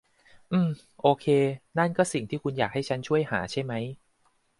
อืมโอเค นั่นก็สิ่งที่คุณอยากให้ฉันช่วยหาใช่ไหม